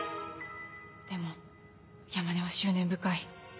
でも山根は執念深い。